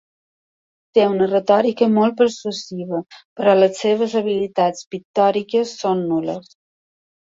Té una retòrica molt persuasiva, però les seves habilitats pictòriques són nul·les.